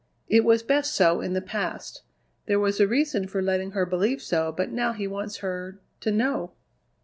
It was best so in the past. There was a reason for letting her believe so; but now he wants her to know!"